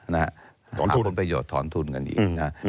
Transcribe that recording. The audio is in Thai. หาผลประโยชน์ถอนทุนกันอีกนะครับ